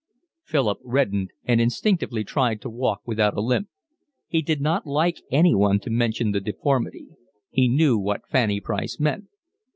Philip reddened and instinctively tried to walk without a limp. He did not like anyone to mention the deformity. He knew what Fanny Price meant.